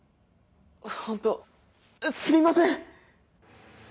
本当すみません！